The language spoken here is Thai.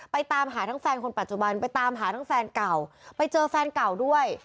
ตามหาทั้งแฟนคนปัจจุบันไปตามหาทั้งแฟนเก่าไปเจอแฟนเก่าด้วย